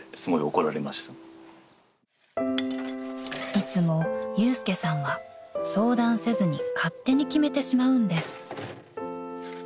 ［いつも祐介さんは相談せずに勝手に決めてしまうんです］